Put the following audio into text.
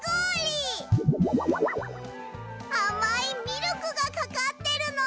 あまいミルクがかかってるの！